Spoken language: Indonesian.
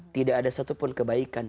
tidak ada satupun kebaikan